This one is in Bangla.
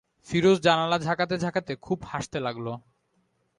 ফিরোজ জানালা ঝাঁকাতে-ঝাঁকাতে খুব হাসতে লাগল।